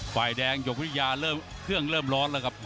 ฝ่ายแดงยกวิทยาคืองเริ่มล้อลครับ